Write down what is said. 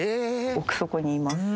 奥底にいます。